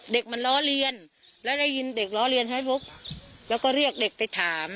เด็กมันล้อเลียนแล้วได้ยินเด็กล้อเรียนใช่ไหมบุ๊กแล้วก็เรียกเด็กไปถาม